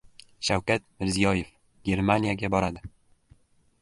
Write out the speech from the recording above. Shavkat Mirziyoyev Germaniyaga boradi